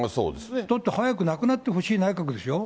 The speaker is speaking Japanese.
だって、早くなくなってほしい内閣でしょ。